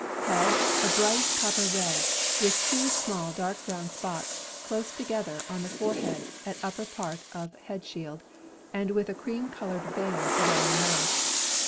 Head, a bright copper red, with two small dark brown spots close together on the forehead at upper part of head shield, and with a cream colored band around the mouth.